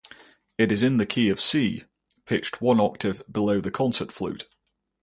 It is in the key of C, pitched one octave below the concert flute.